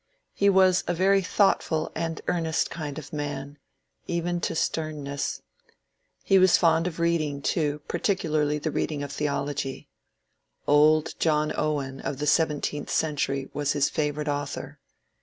He was a very thoughtful and earnest kind of man, even to sternness. He was fond of read ing, too, particularly the reading of theology. Old John Owen, of the seventeenth century, was his favourite author.